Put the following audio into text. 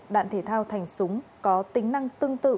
đạn thể thao thành súng có tính năng tương tự